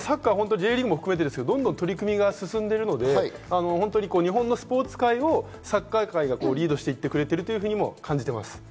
Ｊリーグも含めてどんどん取り組みが進んでいるので日本のスポーツ界はサッカー界がリードをしていってくれていると感じています。